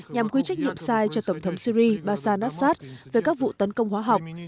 nhằm quy trách nhiệm sai cho tổng thống syria bashar al assad về các vụ tấn công hóa học